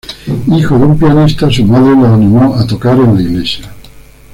Hijo de un pianista, su madre lo animó a tocar en la iglesia.